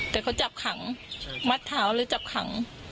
แต่เขาจับขังมัดเท้าหรือจับขัง